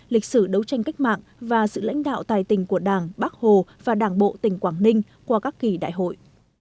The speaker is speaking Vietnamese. lịch sử đấu tranh cách mạng và sự lãnh đạo tài tình của đảng bác hồ và đảng bộ tỉnh quảng ninh qua các kỳ đại hội